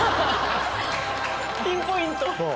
ピンポイント！